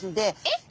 えっ？